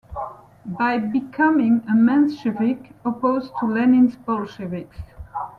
By becoming a Menshevik, opposed to Lenin's Bolsheviks.